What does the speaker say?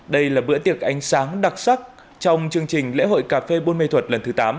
đây là bữa tiệc ánh sáng đặc sắc trong chương trình lễ hội cà phê buôn mê thuật lần thứ tám